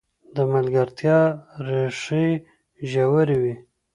د ملګرتیا ریښې ژورې وي.